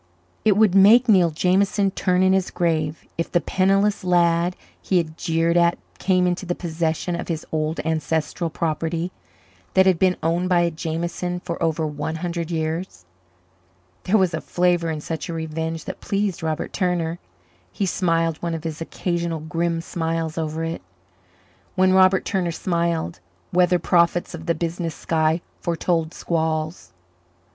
It would make Neil Jameson turn in his grave if the penniless lad he had jeered at came into the possession of his old ancestral property that had been owned by a Jameson for over one hundred years. There was a flavour in such a revenge that pleased Robert Turner. He smiled one of his occasional grim smiles over it. When Robert Turner smiled, weather prophets of the business sky foretold squalls.